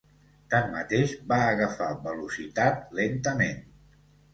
Tanmateix, va agafar velocitat lentament.